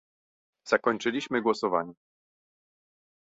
Zakończyliśmy głosowanie